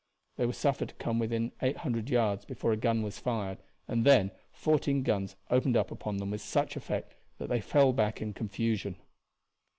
They were suffered to come within 800 yards before a gun was fired, and then fourteen guns opened upon them with such effect that they fell back in confusion.